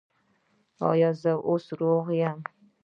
ایا زه اوس روغ یم؟